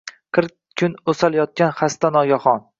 Qirq kun o’sal yotgan xasta nogahon